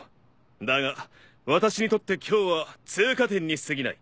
だが私にとって今日は通過点にすぎない。